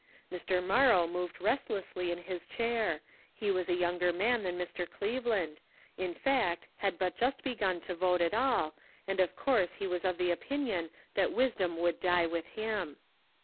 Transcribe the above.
Mr. Morrow moved restlessly in his chair; he was a younger man than Mr. Cleveland; in fact, had but just begun to vote at all, and of course he was of the opinion that wisdom would die with him.